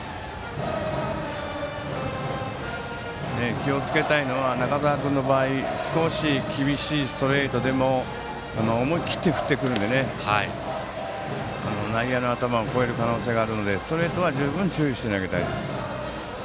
気をつけたいのは中澤君の場合少し厳しいストレートでも思い切って振ってくるので内野の頭を越える可能性があるのでストレートは十分注意して投げたいです。